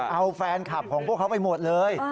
เอาแฟนคลับของพวกเขาไปหมดเลย